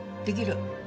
できる。